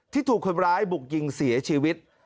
ถูกคนร้ายบุกยิงเสียชีวิต